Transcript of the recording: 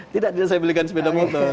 tidak saya belikan sepeda motor